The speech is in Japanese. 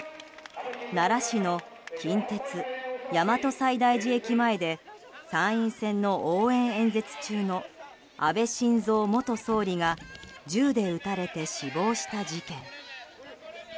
奈良市の近鉄大和西大寺駅前で参院選の応援演説中の安倍晋三元総理が銃で撃たれて死亡した事件。